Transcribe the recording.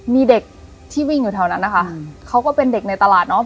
มีเด็กที่วิ่งอยู่แถวนั้นนะคะเขาก็เป็นเด็กในตลาดเนาะ